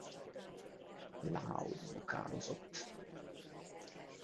Loud vokálozott.